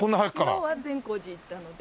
昨日は善光寺行ったので。